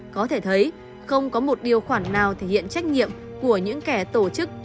có thể thấy không có một điều khoản nào thể hiện trách nhiệm của những kẻ tổ chức